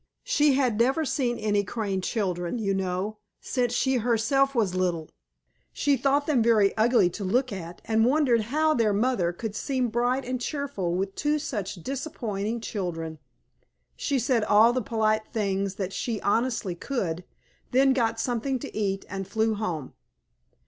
She had never seen any Crane children, you know, since she herself was little. She thought them very ugly to look at, and wondered how their mother could seem bright and cheerful with two such disappointing children. She said all the polite things that she honestly could, then got something to eat, and flew home.